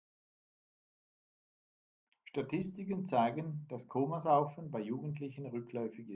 Statistiken zeigen, dass Komasaufen bei Jugendlichen rückläufig ist.